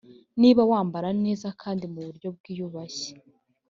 niba wambara neza kandi mu buryo bwiyubashye